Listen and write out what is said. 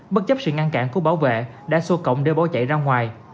bất chấp sự ngăn cản của bảo vệ đã xô cổng để bó chạy ra ngoài